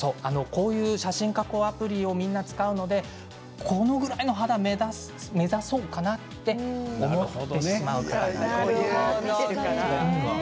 写真加工アプリをみんな使うのでこれぐらいの肌を目指したいと思ってしまうんですよね。